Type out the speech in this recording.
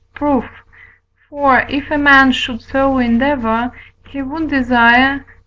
Proof. For, if a man should so endeavour, he would desire (V.